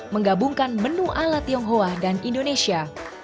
menggabungkan menu ala tionghoa dan indonesia